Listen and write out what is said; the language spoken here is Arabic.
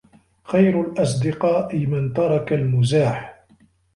خير الأصدقاء من ترك المزاح